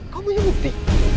kamu yang bukti